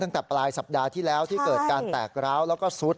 ตั้งแต่ปลายสัปดาห์ที่แล้วที่เกิดการแตกร้าวแล้วก็ซุด